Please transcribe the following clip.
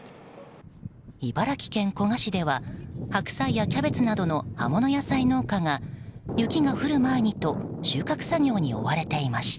茨城県古河市では白菜やキャベツなどの葉物野菜農家が雪が降る前にと収穫作業に追われていました。